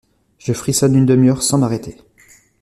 Je frictionne une demi-heure sans m’arrêter…